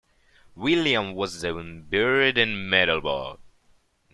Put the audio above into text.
William was then buried in Middelburg.